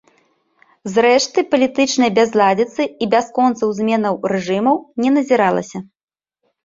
Зрэшты, палітычнай бязладзіцы і бясконцых зменаў рэжымаў не назіралася.